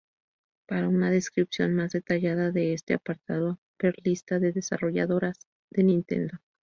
Para una descripción más detallada de este apartado, ver Lista de desarrolladoras de Nintendo.